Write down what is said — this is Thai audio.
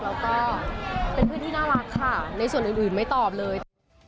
แล้วก็เป็นเพื่อนที่น่ารักค่ะในส่วนอื่นไม่ตอบเลย